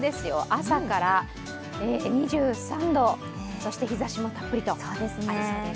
朝から２３度、そして日ざしもたっぷりとありそうです。